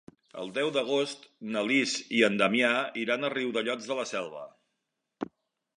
El deu d'agost na Lis i en Damià iran a Riudellots de la Selva.